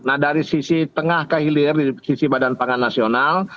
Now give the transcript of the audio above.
nah dari sisi tengah kehilir dari sisi badan pangan nasional